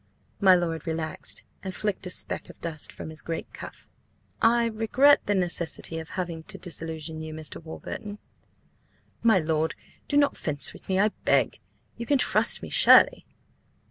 My lord relaxed, and flicked a speck of dust from his great cuff. "I regret the necessity of having to disillusion you, Mr. Warburton." "My lord, do not fence with me, I beg! You can trust me, surely?"